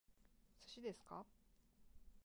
寿司ですか？